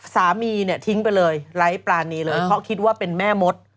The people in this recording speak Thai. สามีเนี่ยทิ้งไปเลยไร้ปรานีเลยเพราะคิดว่าเป็นแม่มด